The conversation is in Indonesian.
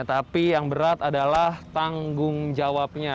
tapi yang berat adalah tanggung jawabnya